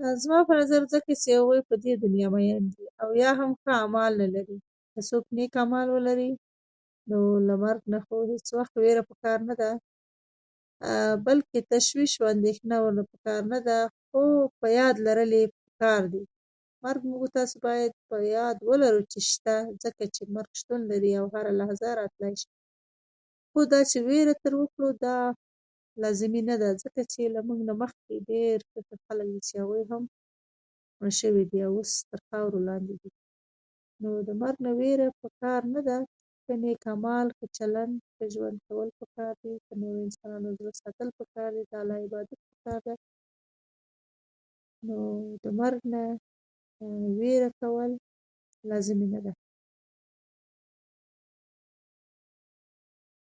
د پروسږ کال پرتله مو سږکال پرمختګ کړی؟